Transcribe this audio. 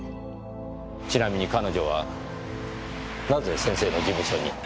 ちなみに彼女はなぜ先生の事務所に？